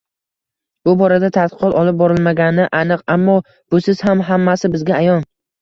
Bu borada tadqiqot olib borilmagani aniq, ammo, busiz ham hammasi bizga ayon